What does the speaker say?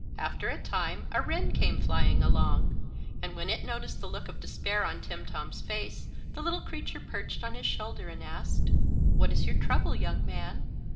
After a time a wren came flying along, and when it noticed the look of despair on Timtom's face the little creature perched on his shoulder and asked: "What is your trouble, young man?"